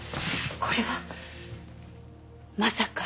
これはまさか。